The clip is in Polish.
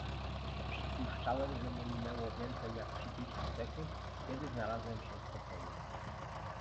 "Przypuszczałem, że nie minęło więcej, jak trzydzieści sekund, kiedy znalazłem się w pokoju."